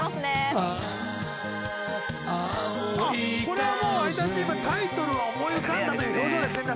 これはもう有田チームタイトルは思い浮かんだという表情ですね